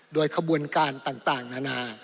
โดยขบวนการต่างนานา